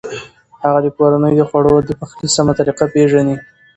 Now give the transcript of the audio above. هغه د کورنۍ د خوړو د پخلي سمه طریقه پېژني.